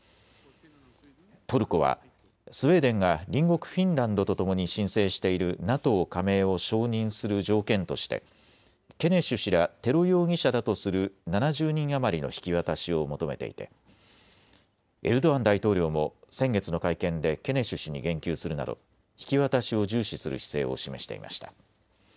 トルコはスウェーデンが隣国フィンランドとともに申請しているＮＡＴＯ加盟を承認する条件としてケネシュ氏らテロ容疑者だとする７０人余りの引き渡しを求めていてエルドアン大統領も先月の会見でケネシュ氏に言及するなど引き渡しを重視する姿勢を示していました。